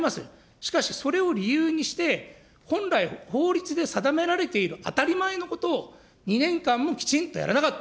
しかしそれを理由にして、本来、法律で定められている当たり前のことを、２年間もきちんとやらなかった。